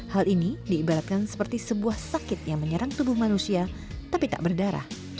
hal ini diibaratkan seperti sebuah sakit yang menyerang tubuh manusia tapi tak berdarah